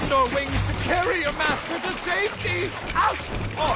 おっ！